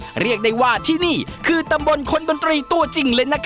เรียกได้ว่าที่นี่คือตำบลคนดนตรีตัวจริงเลยนะครับ